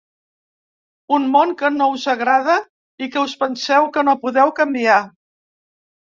Un món que no us agrada i que us penseu que no podeu canviar.